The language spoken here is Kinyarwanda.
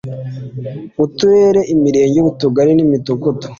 Uturere imirenge utugari n imidugudu